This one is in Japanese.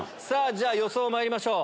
じゃ予想まいりましょう